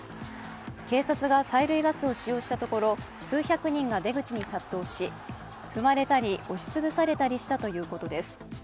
警察が催涙ガスを使用したところ、数百人が出口に殺到し、踏まれたり、押し潰されたりしたということです。